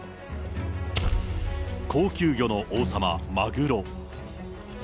高級魚の王様、マグロ。